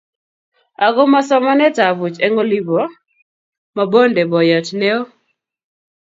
Ago ma somanetab buch eng olibo Mabonde boiyot neo?